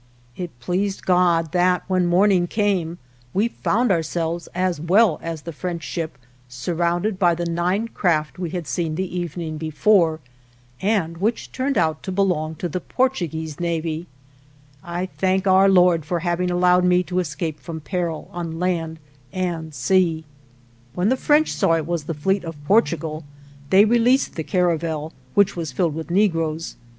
It pleased God that, when morning came, we found ourselves, as well as the French ship, surrounded by the nine craft we had seen the evening before, and which turned out to belong to the Portuguese .navy. I thank Our Lord for having allowed me to escape from peril on land and sea. M Corvo, one of the Azores; northwestern group. 186 ALVAR NUNEZ CABEZA DE VACA When the French saw it was the fleet of Portugal they released the caravel, which was filled with negroes.